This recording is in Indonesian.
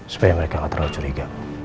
supaya mereka gak terlalu curiga